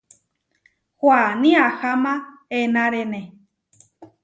Huaní aháma enárene.